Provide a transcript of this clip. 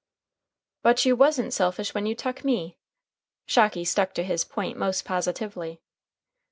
"But you wasn't selfish when you tuck me. Shocky stuck to his point most positively.